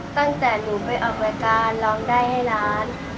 ตั้งแต่หนูไปออกรายการร้องได้ให้ล้าน